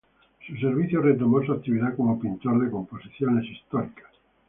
A su servicio retomó su actividad como pintor de composiciones históricas.